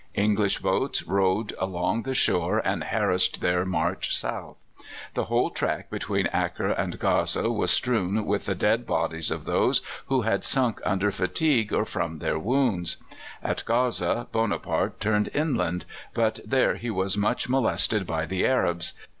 English boats rowed along the shore and harassed their march south. The whole track between Acre and Gaza was strewn with the dead bodies of those who had sunk under fatigue or from their wounds. At Gaza Bonaparte turned inland, but there he was much molested by the Arabs.